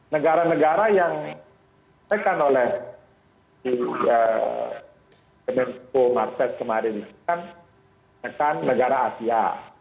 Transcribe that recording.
negara negara yang dikenakan oleh kementerian pembangunan dan pemerintahan kemarin ini kan negara asia